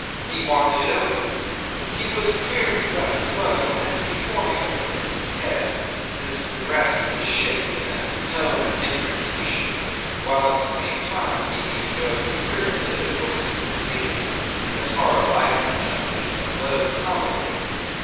He wanted it over. He was severely left alone, and he formulated in his head this address to the ship in a tone of imprecation, while at the same time he enjoyed the privilege of witnessing scenes as far as I can judge of low comedy.